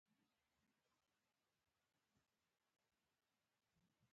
ماهی لږ ښه دی.